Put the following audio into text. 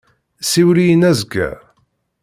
Siwel-iyi-n azekka.